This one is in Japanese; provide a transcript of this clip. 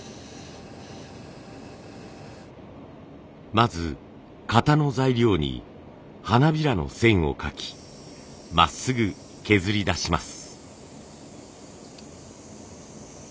まず型の材料に花びらの線を描きまっすぐ削り出します。